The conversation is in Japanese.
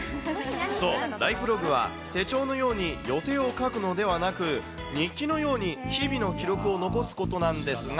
そう、ライフログは、手帳のように予定を書くのではなく、日記のように、日々の記録を残すことなんですが。